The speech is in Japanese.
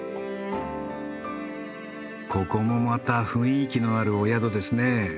ここもまた雰囲気のあるお宿ですね。